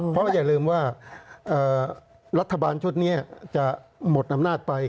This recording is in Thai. เพราะว่าอย่าลืมว่ารัฐบาลชุดนี้จะหมดอำนาจไป